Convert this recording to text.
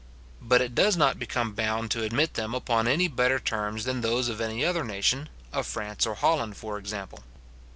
But it does not become bound to admit them upon any better terms than those of any other nation, of France or Holland, for example.